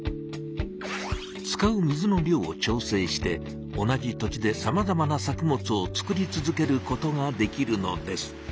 使う水の量を調整して同じ土地でさまざまな作物を作り続けることができるのです。